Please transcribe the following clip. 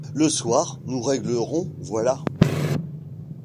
Le soir, nous réglerons, voilà!